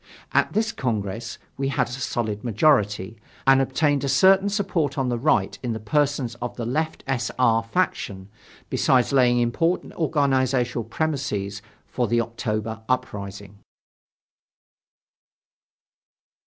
At this Congress, we had a solid majority, and obtained a certain support on the right in the persons of the left S. R. faction, besides laying important organizational premises for the October uprising.